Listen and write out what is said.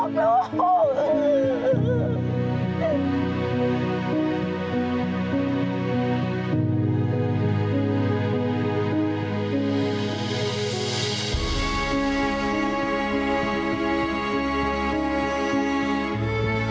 โจ๊กลูก